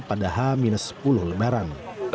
apadah ha minus sepuluh lembaran